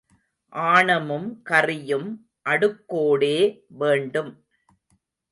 ஆணமும் கறியும் அடுக்கோடே வேண்டும்.